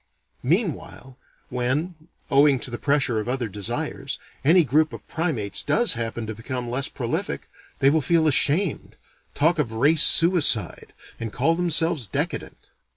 Meanwhile, when, owing to the pressure of other desires, any group of primates does happen to become less prolific, they will feel ashamed, talk of race suicide, and call themselves decadent.